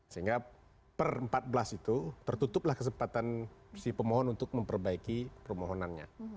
sehingga per empat belas itu tertutuplah kesempatan si pemohon untuk memperbaiki permohonannya